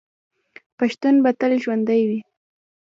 پښتون به تل ژوندی وي.